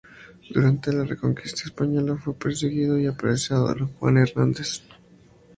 Durante la reconquista española fue perseguido y apresado en Juan Fernández.